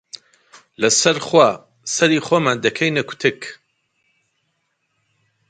لەسەر خوا، سەری خۆمان دەکەینە کوتک